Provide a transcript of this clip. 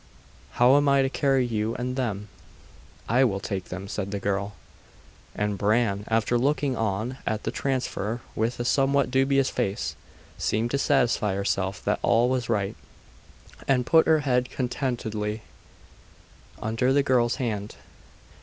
How am I to carry you and them?' 'I will take them,' said the girl; and Bran, after looking on at the transfer with a somewhat dubious face, seemed to satisfy herself that all was right, and put her head contentedly under the girl's hand.